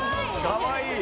かわいい！